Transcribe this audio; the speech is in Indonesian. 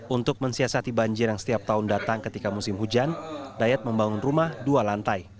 untuk mensiasati banjir yang setiap tahun datang ketika musim hujan dayat membangun rumah dua lantai